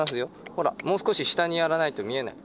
ほら、もう少し下にやらないと見えない。